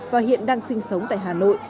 và hiện đang sinh sống tại hà nội